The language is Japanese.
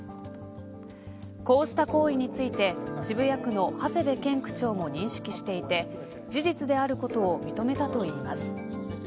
こうした行為について渋谷区の長谷部健区長も認識していて事実であることを認めたといいます。